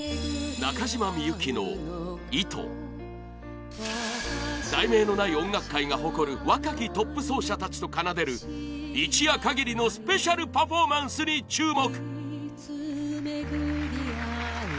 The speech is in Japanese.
中島みゆきの「糸」「題名のない音楽会」が誇る若きトップ奏者たちと奏でる一夜限りのスペシャルパフォーマンスに注目！